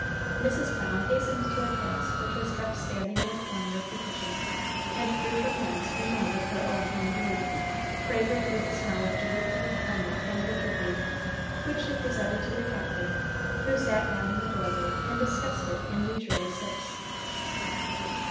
Mrs. Pennel hastened to a cask which was kept standing in a corner of the kitchen, and drew from thence a mug of her own home brewed, fragrant with the smell of juniper, hemlock, and wintergreen, which she presented to the Captain, who sat down in the doorway and discussed it in leisurely sips.